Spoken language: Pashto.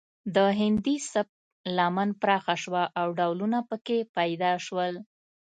د هندي سبک لمن پراخه شوه او ډولونه پکې پیدا شول